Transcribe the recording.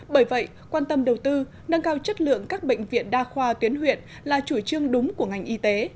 bởi vậy quan tâm đầu tư nâng cao chất lượng các bệnh viện đa khoa tuyến huyện là chủ trương đúng của ngành y tế